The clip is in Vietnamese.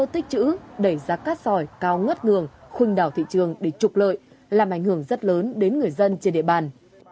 tích chữ đẩy ra cát sòi cao ngất ngường khuynh đảo thị trường để trục lợi làm ảnh hưởng rất lớn đến người dân trên địa bàn